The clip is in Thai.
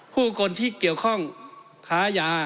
ผู้คนที่เกี่ยวข้องค้ายา